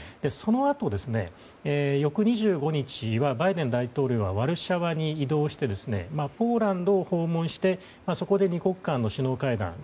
そのあと、翌２５日はバイデン大統領はワルシャワに移動してポーランドを訪問してそこで２国間の首脳会談